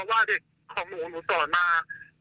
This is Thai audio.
หนูโพสต์อันนี้ไปแต่ว่าในมือหนูตอนนั้นไม่มีคลิปไม่มีอะไรเลย